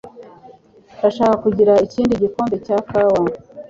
Ndashaka kugira ikindi gikombe cya kawa